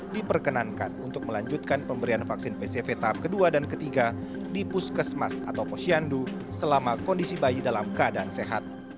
diperkenankan untuk melanjutkan pemberian vaksin pcv tahap ke dua dan ke tiga di puskesmas atau posyandu selama kondisi bayi dalam keadaan sehat